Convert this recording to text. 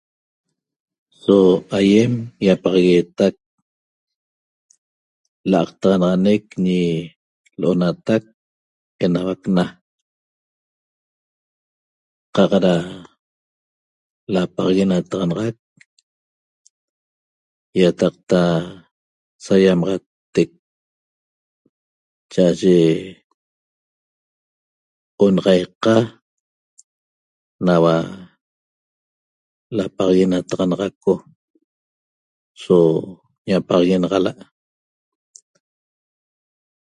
So aýem ýapaxagueetac l'qtaxanaxanec ñi L'onatac Enauac Na qaq da lapaxaguenataxanaxac ýataqta saýamaxatec cha'aye onaxaiqa naua lapaxaguenataxanaxaco so ñapaxaguenaxala'